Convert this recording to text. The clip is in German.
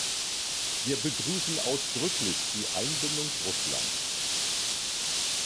Wir begrüßen ausdrücklich die Einbindung Russlands.